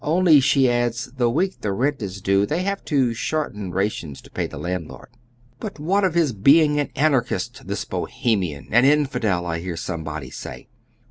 Only, she adds, the week the rent is due, they have to shorten rations to pay the landlord. But what of his being an Anarchist, this Bohemian — an infidel — I hear somebody say.